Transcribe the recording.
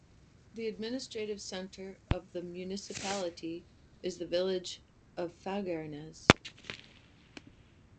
The administrative centre of the municipality is the village of Fagernes.